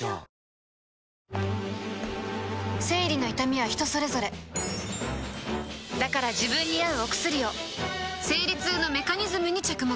生理の痛みは人それぞれだから自分に合うお薬を生理痛のメカニズムに着目